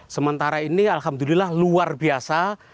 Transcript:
sementara ini alhamdulillah luar biasa